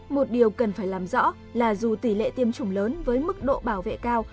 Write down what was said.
một điều cần phải làm rõ là dù tỷ lệ tiêm chủng lớn với mức độ bảo vệ cao